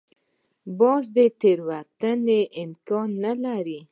باز د تېروتنې امکان نه لري